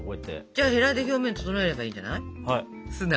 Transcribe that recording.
じゃあヘラで表面整えればいいんじゃない？